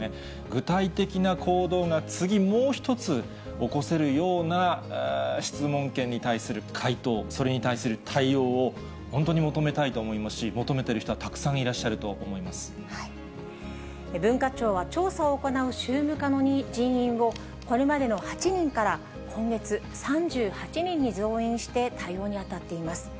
具体的な行動が次、もう一つ、起こせるような質問権に対する回答、それに対する対応を本当に求めたいと思いますし、求めている人は文化庁は、調査を行う宗務課の人員を、これまでの８人から、今月、３８人に増員して、対応に当たっています。